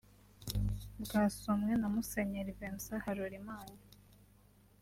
bwasomwe na Musenyeri Vincent Halorimana